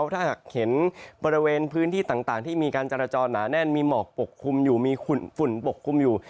ถ้าหากเห็นบริเวณพื้นที่ต่างที่มีการจราจรหนาแน่นมีหมอกปกคลุมอยู่มีฝุ่นปกคลุมอยู่